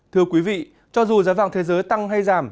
thưa quý vị cho dù giá vàng thế giới tăng hay giảm